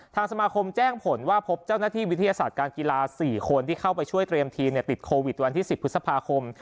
ทางสมาคมแจ้งผลว่าพบเจ้าหน้าที่วิทยาศาสตร์การกีฬา๔คนที่เข้าไปช่วยเตรียมทีมติดโควิดวันที่๑๐พฤษภาคม